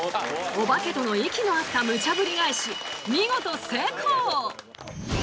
お化けとの息の合ったムチャぶり返し見事成功！